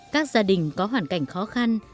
các gia đình có hoàn cảnh khó khăn